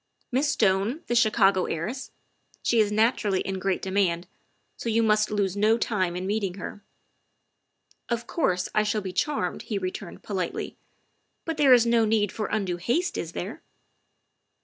'' Miss Stone, the Chicago heiress ; she is naturally in great demand, so you must lose no time in meeting her. '''' Of course, I shall be charmed, '' he returned politely, '' but there is no need for undue haste, is there